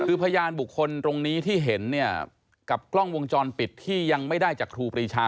คือพยานบุคคลตรงนี้ที่เห็นเนี่ยกับกล้องวงจรปิดที่ยังไม่ได้จากครูปรีชา